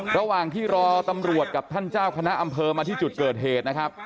ระหว่างที่รอตำรวจกับท่านเจ้าคณะอำเภอมาที่จุดเกิดเหตุนะครับ